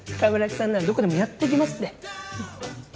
鏑木さんならどこでもやっていけますって。